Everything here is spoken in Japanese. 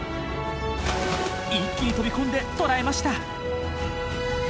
一気に飛び込んで捕らえました！